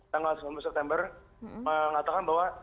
tanggal sembilan september mengatakan bahwa